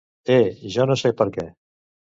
E, Jo no sé per què!